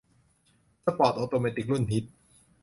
สปอร์ตออโตเมติกรุ่นฮิต